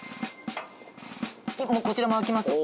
もうこちらも開きますよ。